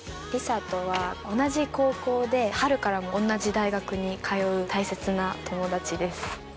梨紗とは同じ高校で春からも同じ大学に通う大切な友達です。